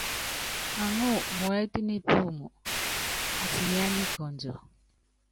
Aŋɔ́ muɛ́t nipúum atinyá nikɔndiɔ.